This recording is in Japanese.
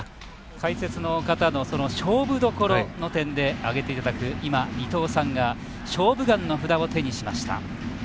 解説の方の勝負どころの点で上げていただく伊東さんが「勝負眼」の札を手にしました。